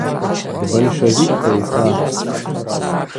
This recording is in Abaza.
Дбольшавикта йхӏва.